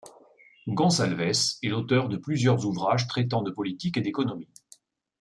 Gonsalves est l'auteur de plusieurs ouvrages traitant de politique et d'économie.